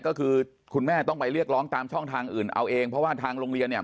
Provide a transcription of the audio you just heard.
ก็คือคุณแม่ต้องไปเรียกร้องตามช่องทางอื่นเอาเองเพราะว่าทางโรงเรียนเนี่ย